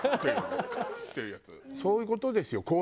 そういう事ですよ。